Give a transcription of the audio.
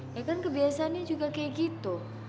ya kan kebiasaannya juga kayak gitu